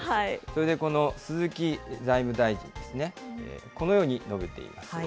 それでこの鈴木財務大臣ですね、このように述べています。